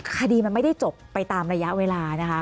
คดีมันไม่ได้จบไปตามระยะเวลานะคะ